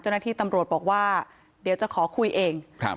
เจ้าหน้าที่ตำรวจบอกว่าเดี๋ยวจะขอคุยเองครับ